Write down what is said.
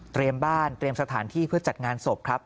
เตรมบ้านเตรมสถานที่เพื่อจัดงานสบครับ